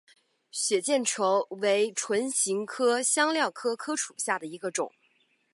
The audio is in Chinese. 血见愁为唇形科香科科属下的一个种。